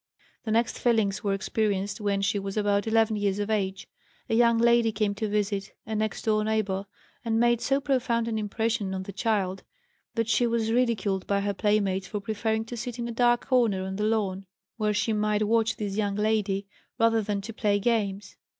The next feelings were experienced when, she was about 11 years of age. A young lady came to visit a next door neighbor, and made so profound an impression on the child that she was ridiculed by her playmates for preferring to sit in a dark corner on the lawn where she might watch this young lady rather than to play games.